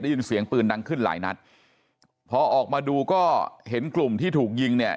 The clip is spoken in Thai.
ได้ยินเสียงปืนดังขึ้นหลายนัดพอออกมาดูก็เห็นกลุ่มที่ถูกยิงเนี่ย